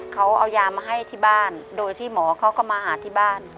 เขาเอายามาให้ที่บ้านโดยที่หมอเขาก็มาหาที่บ้าน